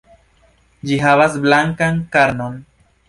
Ĝi havas blankan karnon.